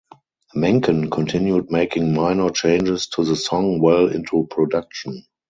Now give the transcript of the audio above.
Menken continued making minor changes to the song well into production.